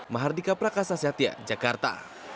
mahardika prakasa syatya jakarta